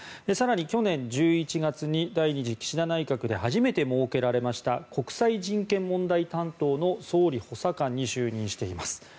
更に去年１１月に第２次岸田内閣で初めて設けられました国際人権問題担当の総理補佐官に就任しています。